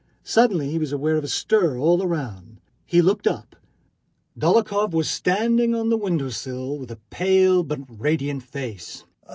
Suddenly he was aware of a stir all around. He looked up: Dólokhov was standing on the window sill, with a pale but radiant face.